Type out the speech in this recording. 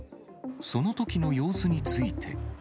そのときの様子について。